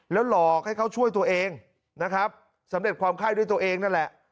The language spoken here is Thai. หลอกให้เขาช่วยตัวเองนะครับสำเร็จความไข้ด้วยตัวเองนั่นแหละ